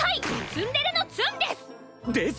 ツンデレのツンです！